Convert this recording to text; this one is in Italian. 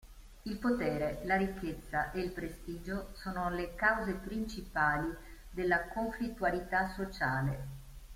Il potere, la ricchezza e il prestigio sono le cause principali della conflittualità sociale.